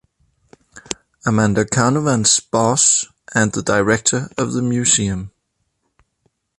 Amanda Carnovan's boss and the director of the Museum.